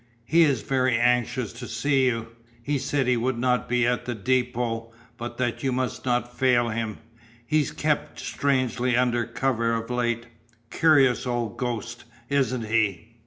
He is very anxious to see you. He said he would not be at the depot, but that you must not fail him. He's kept strangely under cover of late. Curious old ghost, isn't he?"